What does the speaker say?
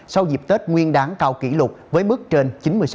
sau dịp tết nguyên đáng cao kỷ lục với mức trên chín mươi sáu